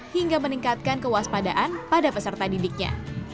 hingga meningkatkan kewaspadaan pada peserta didiknya